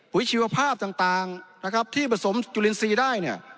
ปุ๋ยชีวภาพต่างที่ผสมจุลอินทรีย์ได้